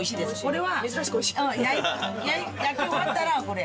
これは焼き終わったらこれ。